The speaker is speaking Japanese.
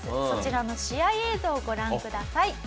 そちらの試合映像をご覧ください。